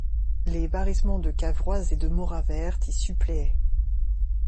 Les barrissements de Cavrois et de Mauravert y suppléaient.